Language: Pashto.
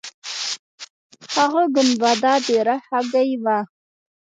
هغه ګنبده د رخ هګۍ وه.